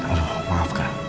aduh maaf kak